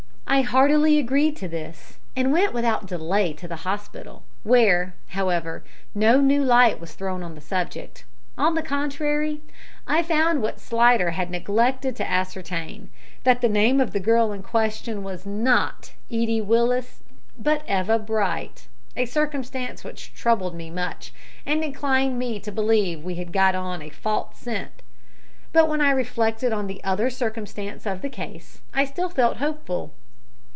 I heartily agreed to this, and went without delay to the hospital, where, however, no new light was thrown on the subject. On the contrary, I found, what Slidder had neglected to ascertain, that the name of the girl in question was not Edie Willis, but Eva Bright, a circumstance which troubled me much, and inclined me to believe that we had got on a false scent; but when I reflected on the other circumstances of the case I still felt hopeful.